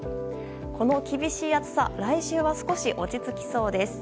この厳しい暑さ来週は少し落ち着きそうです。